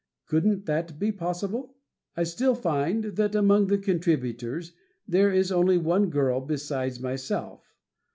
Couldn't that be possible? I still find that among the contributors there is only one girl besides myself.